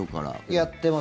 やってます。